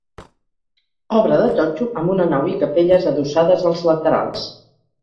Obra de totxo amb una nau i capelles adossades als laterals.